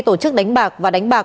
tổ chức đánh bạc và đánh bạc